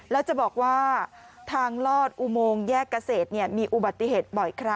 และจะบอกว่าทางรอดอุโมงแยกเกษตร